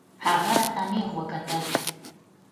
هغه راته نېغ وکتل.